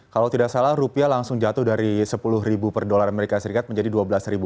kalau tidak salah rupiah langsung jatuh dari sepuluh ribu per dolar amerika serikat menjadi dua belas ribu